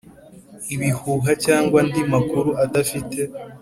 ibihuha cyangwa andi makuru adafite